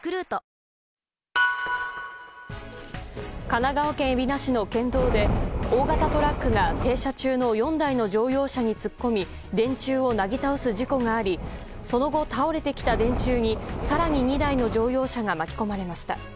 神奈川県海老名市の県道で大型トラックが停車中の４台の乗用車に突っ込み電柱をなぎ倒す事故がありその後、倒れてきた電柱に更に２台の乗用車が巻き込まれました。